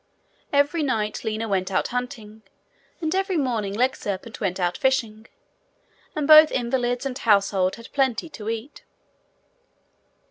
Every night Lina went out hunting, and every morning Legserpent went out fishing, and both invalids and household had plenty to eat.